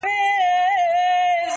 شپږ اووه شپې په ټول ښار کي وه جشنونه!